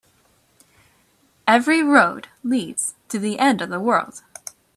Every road leads to the end of the world.